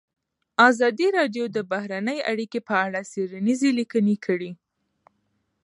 ازادي راډیو د بهرنۍ اړیکې په اړه څېړنیزې لیکنې چاپ کړي.